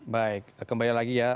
baik kembali lagi ya